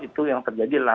itu yang terjadi adalah